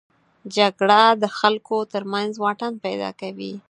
جګړه د خلکو تر منځ واټن پیدا کوي